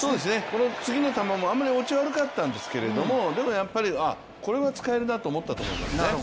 この次の球もあんまり落ちが悪かったんですけどでもやっぱり、これは使えるなと思ったと思いますね。